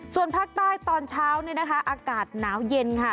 ส่วนภาคใต้ตอนเช้าเนี่ยนะคะอากาศหนาวเย็นค่ะ